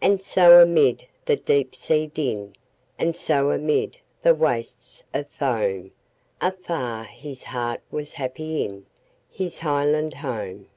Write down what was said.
And so amid the deep sea din, And so amid the wastes of foam, Afar his heart was happy inHis highland home!